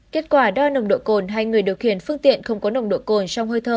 kết quả đo nồng độ cồn hai người điều khiển phương tiện không có nồng độ cồn trong hơi thở